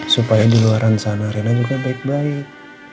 supaya di luar sana rina juga baik baik